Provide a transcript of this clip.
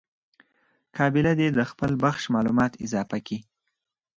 قابله دي د خپل بخش معلومات اضافه کي.